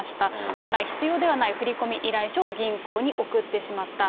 本来、必要ではない振込依頼書を銀行に送ってしまった。